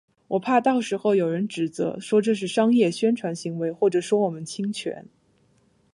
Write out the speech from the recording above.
我怕到时候有人指责，说这是商业宣传行为或者说我们侵权